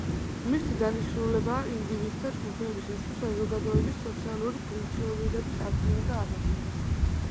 მისი დანიშნულებაა ინდივიდთა, ჯგუფებისა თუ საზოგადოების სოციალური ფუნქციონირების აღდგენა და ამაღლება.